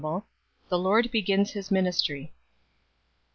THE LORD begins His ministry.